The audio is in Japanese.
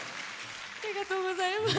ありがとうございます。